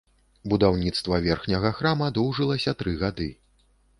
Будаўніцтва верхняга храма доўжылася тры гады.